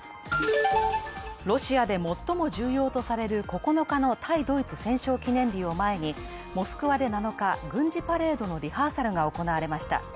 ロシアで最も重要とされる９日の対ドイツ戦勝記念日を前にモスクワで７日、軍事パレードのリハーサルが行われました。